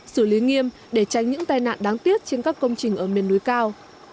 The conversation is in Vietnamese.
xử lý nghiêm để tránh những tai nạn đáng tiếc trên các công trình ở miền núi cao